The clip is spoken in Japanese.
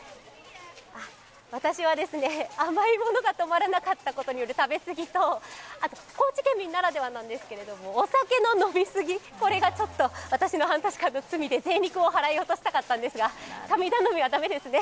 私は甘いものが止まらなかったことによる食べ過ぎと、あと高知県民ならではなんですが、お酒の飲み過ぎこれがちょっと私の半年間の罪でぜい肉を払い落としたかったんですが、神頼みは駄目ですね。